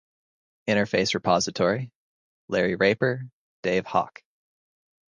Interface Repository: Larry Raper, Dave Hock.